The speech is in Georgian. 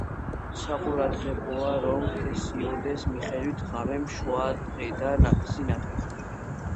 საყურადღებოა, რომ ჰესიოდეს მიხედვით, ღამემ შვა დღე და სინათლე.